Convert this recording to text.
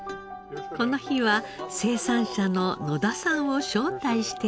この日は生産者の野田さんを招待していました。